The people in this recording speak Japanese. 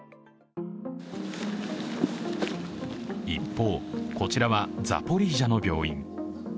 一方、こちらはザポリージャの病院。